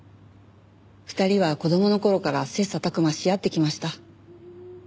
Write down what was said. ２人は子供の頃から切磋琢磨し合ってきました。